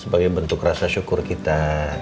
buntuk rasa syukur kita